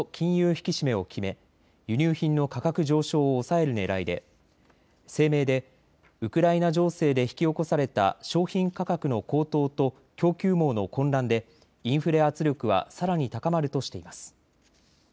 引き締めを決め輸入品の価格上昇を抑えるねらいで声明でウクライナ情勢で引き起こされた商品価格の高騰と供給網の混乱でインフレ圧力はさらに高まるとしています。